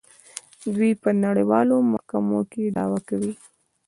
دوی په نړیوالو محکمو کې دعوا کوي.